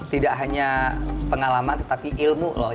tidak hanya pengalaman tetapi ilmu loh